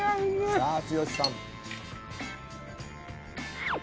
さあ剛さん。